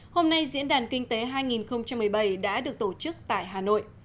hôm nay diễn đàn kinh tế hai nghìn một mươi bảy đã được tổ chức tại hà nội